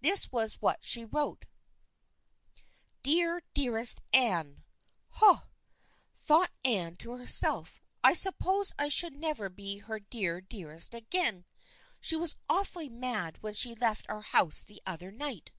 This was what she wrote : "Dear, dearest Anne." ("Huh!" thought Anne to herself. " I supposed I should never be her dear dearest again. She was awfully mad when she left our house the other night.")